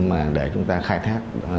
mà để chúng ta khai thác